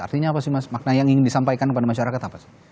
artinya apa sih mas makna yang ingin disampaikan kepada masyarakat apa sih